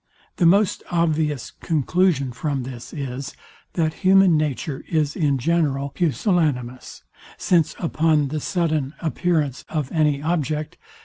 The most obvious conclusion from this is, that human nature is in general pusillanimous; since upon the sudden appearance of any object.